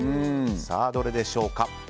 どれでしょうか？